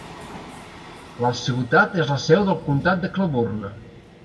La ciutat és la seu del comtat de Cleburne.